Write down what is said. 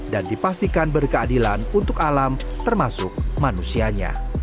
dan dipastikan berkeadilan untuk alam termasuk manusianya